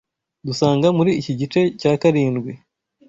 dusanga muri iki gice cya karindwi